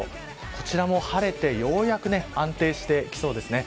こちらも晴れてようやく安定してきそうですね。